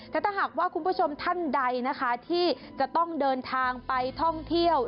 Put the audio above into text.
แต่ถ้าหากว่าคุณผู้ชมท่านใดนะคะที่จะต้องเดินทางไปท่องเที่ยว